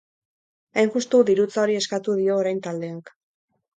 Hain justu, dirutza hori eskatu dio orain taldeak.